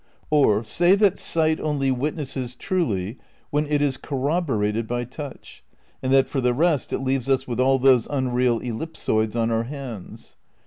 Or, say that sight only witnesses truly when it is corroborated by touch, and that for the rest it leaves us with all those unreal ellipsoids on our hands.